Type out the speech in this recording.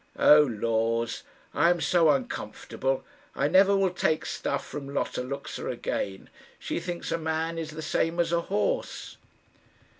"Oh, laws! I am so uncomfortable. I never will take stuff from Lotta Luxa again. She thinks a man is the same as a horse."